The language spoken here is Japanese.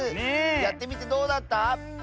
やってみてどうだった？